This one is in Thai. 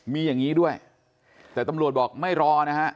มีอย่างนี้ด้วยแต่ตำรวจบอกไม่รอนะฮะ